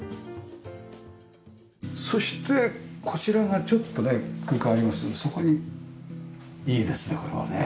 そしてこちらがちょっとね空間ありますのでそこにいいですね